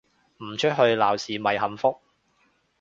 唔出去鬧事咪幸福